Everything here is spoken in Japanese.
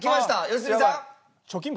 良純さん。